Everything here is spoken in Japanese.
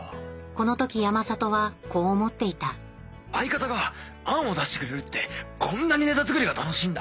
この時山里はこう思っていた相方が案を出してくれるってこんなにネタ作りが楽しいんだ